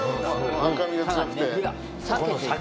赤身が強くて。